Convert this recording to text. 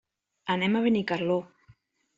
Anem a Benicarló.